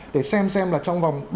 để xem xem là trong vòng